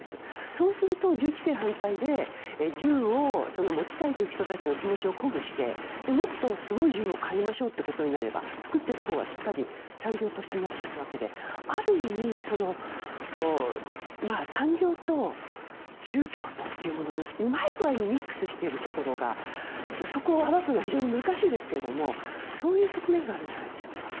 そうすると、銃規制反対で銃を持ちたいという人たちの気持ちを鼓舞してもっとすごい銃を買いましょうとなれば作っているほうは、しっかり産業として成り立つわけである意味、産業と宗教とというものをうまい具合いにミックスしているところがそこを暴くのは非常に難しいですけれどもそういう側面があるんじゃないでしょうか。